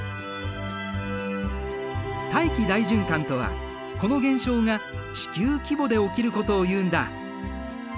大気大循環とはこの現象が地球規模で起きることをいうんだ。